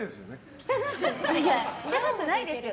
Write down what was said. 汚くないですよ。